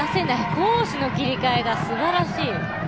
攻守の切り替えがすばらしい。